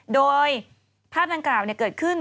โดยภาพดังกล่าวเกิดขึ้น